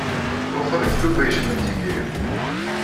Wexxer i tlufa yecban tiki.